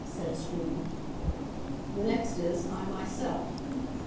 said Scruby. "The next is, I myself.